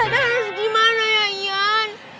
tata harus gimana ya ian